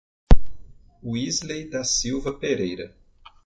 Wisley da Silva Pereira